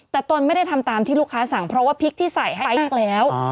แต่ตนไม่ได้ทำตามที่ลูกค้าสั่งเพราะว่าพริกที่ใส่ให้พริกแล้ว